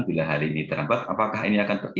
bila hari ini terdapat apakah ini akan berpengaruh